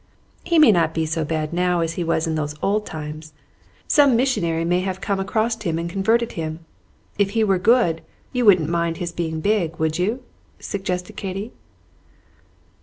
"He may not be so bad now as he was in those old times. Some missionary may have come across him and converted him. If he were good, you wouldn't mind his being big, would you?" suggested Katy.